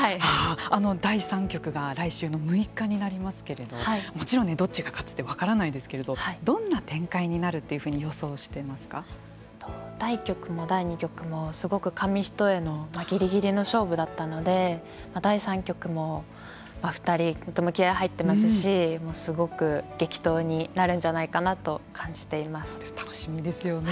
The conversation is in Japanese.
第三局が来週の６日になりますけれどもちろんどっちが勝つって分からないですけれどどんな展開になるというふうに第一局も第二局もすごく紙一重のぎりぎりの勝負だったので第三局も２人とも気合いが入っていますしすごく激闘になるんじゃないかなと楽しみですよね。